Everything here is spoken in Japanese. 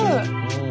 うん。